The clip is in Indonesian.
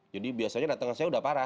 jadi biasanya datang ke saya sudah parah